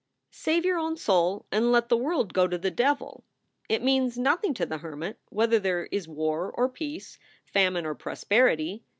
Save your own soul and let the world go to the devil! It means nothing to the hermit whether there is war or peace, famine or prosperity.